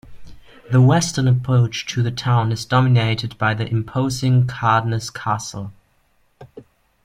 The western approach to the town is dominated by the imposing Cardoness Castle.